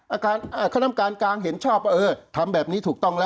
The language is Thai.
คณะกรรมการกลางเห็นชอบว่าเออทำแบบนี้ถูกต้องแล้ว